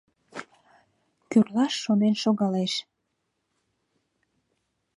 Кӱрлаш шонен шогалеш.